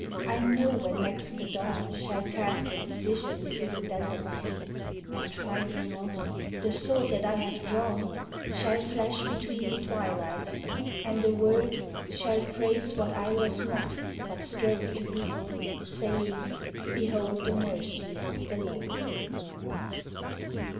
I know when next the dawn Shall cast its vision through the desert sea And find me not, the sword that I have drawn Shall flash between the twilights, and a word Shall praise what I was not but strove to be, Saying :" Behold the mercy of the Lord."